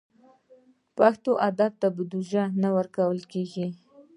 پښتو ادب ته بودیجه نه ورکول کېږي.